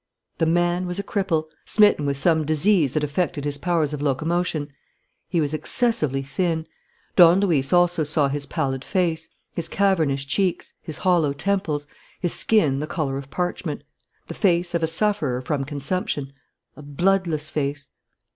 The man was a cripple, smitten with some disease that affected his powers of locomotion. He was excessively thin. Don Luis also saw his pallid face, his cavernous cheeks, his hollow temples, his skin the colour of parchment: the face of a sufferer from consumption, a bloodless face.